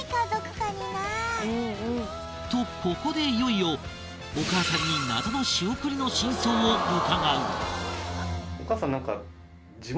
とここでいよいよお母さんに謎の仕送りの真相を伺うお母さん何か。